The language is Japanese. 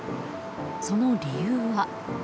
その理由は。